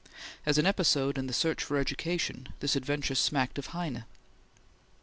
As an episode in the search for education, this adventure smacked of Heine.